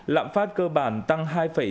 lạm phát cơ bản tăng hai tám mươi bốn